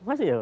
masih ya pak